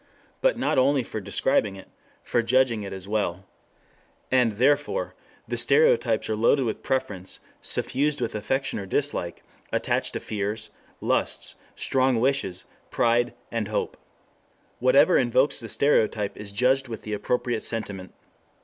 But not only for describing it. For judging it as well. And, therefore, the stereotypes are loaded with preference, suffused with affection or dislike, attached to fears, lusts, strong wishes, pride, hope. Whatever invokes the stereotype is judged with the appropriate sentiment.